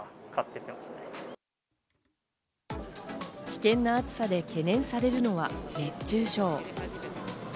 危険な暑さで懸念されるのは熱中症。